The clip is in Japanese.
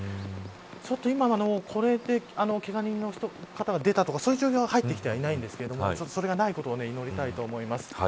ちょっと今、これでけが人の方が出たとかそういう情報は入ってきてはいないんですがそれがないことを祈りたいと思います。